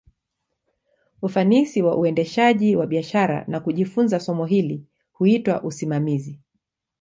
Ufanisi wa uendeshaji wa biashara, na kujifunza somo hili, huitwa usimamizi.